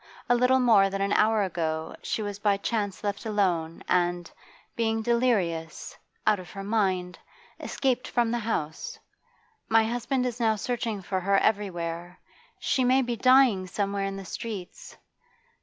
A little more than an hour ago she was by chance left alone and, being delirious out of her mind escaped from the house. My husband is now searching for her everywhere; she may be dying somewhere in the streets.